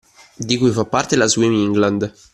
Di cui fa parte la Swim England